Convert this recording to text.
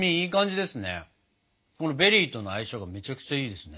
このベリーとの相性がめちゃくちゃいいですね。